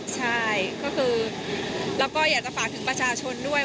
ใช่ก็คือแล้วก็อยากจะฝากถึงประชาชนด้วย